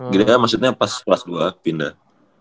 gra maksudnya pas kelas dua pindah